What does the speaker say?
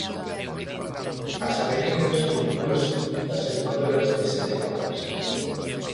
As Aveneiras con dúas das educadoras de Seteportas.